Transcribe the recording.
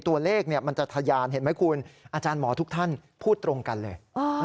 ตัวเลขมันจะทะยานเห็นไหมคุณอาจารย์หมอทุกท่านพูดตรงกันเลย